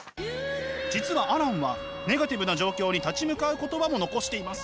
実はアランはネガティブな状況に立ち向かう言葉も残しています。